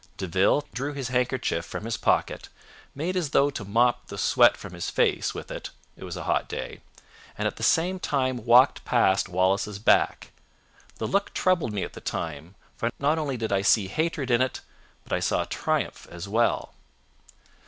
De Ville drew his handkerchief from his pocket, made as though to mop the sweat from his face with it (it was a hot day), and at the same time walked past Wallace's back. The look troubled me at the time, for not only did I see hatred in it, but I saw triumph as well.